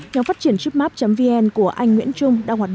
nhóm phát triển tripmap vn của anh nguyễn trung